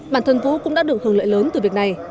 bản thân vũ cũng đã được hưởng lợi lớn từ việc này